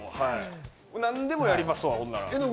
何でもやりますわ。